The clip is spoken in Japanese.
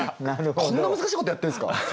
こんな難しいことやってんすか？